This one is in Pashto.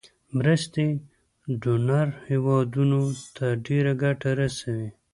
مرستې ډونر هیوادونو ته ډیره ګټه رسوي.